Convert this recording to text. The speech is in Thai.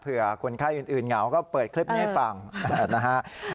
คนไข้อื่นเหงาก็เปิดคลิปนี้ให้ฟังนะฮะ